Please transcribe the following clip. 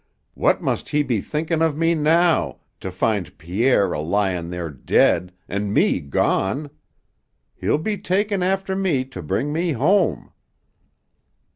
What must he be thinkin' of me now, to find Pierre a lyin' there dead, an' me gone! He'll be takin' after me to bring me home."